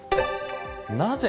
なぜ？